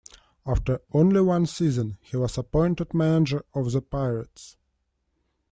After only one season, he was appointed manager of the Pirates.